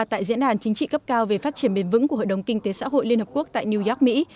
tại diễn đàn chính trị cấp cao về phát triển bền vững của hội đồng kinh tế xã hội liên hợp quốc tại new york mỹ